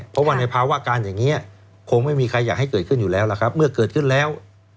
เพราะว่าในภาวะการอย่างนี้คงไม่มีใครอยากให้เกิดขึ้นอยู่แล้วล่ะครับเมื่อเกิดขึ้นแล้ว